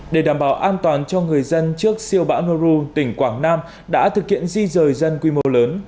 để đảm bảo an toàn cho người dân trước siêu bão noru tỉnh quảng nam đã thực hiện di rời dân quy mô lớn